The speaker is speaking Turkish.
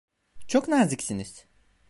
Çok naziksiniz.